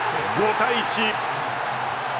５対１。